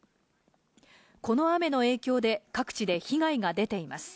この雨の影響で各地で被害が出ています。